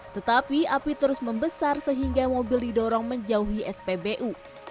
tetapi api terus membesar sehingga mobil didorong menjauhi spbu